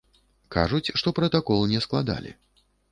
Кажуць, што пратакол не складалі.